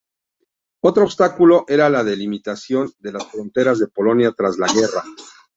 Otro obstáculo era la delimitación de las fronteras de Polonia tras la guerra.